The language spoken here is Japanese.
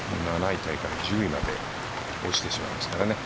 ７位タイから１０位まで落ちてしまいますからね。